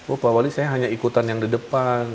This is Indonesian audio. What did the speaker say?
oh pak wali saya hanya ikutan yang di depan